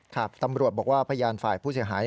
ครับตำรวจบอกว่าพยานฝ่ายผู้เสียหาย